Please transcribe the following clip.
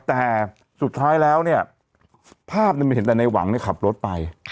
แต่สุดท้ายแล้วเนี่ยภาพมันเห็นแต่ในหวังขับรถไป